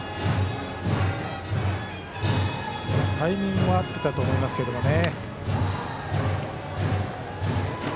タイミングも合っていたと思いますけどね。